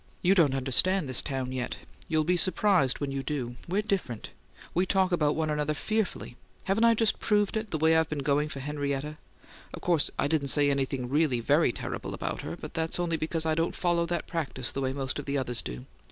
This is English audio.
"You don't understand this town yet. You'll be surprised when you do; we're different. We talk about one another fearfully! Haven't I just proved it, the way I've been going for Henrietta? Of course I didn't say anything really very terrible about her, but that's only because I don't follow that practice the way most of the others do.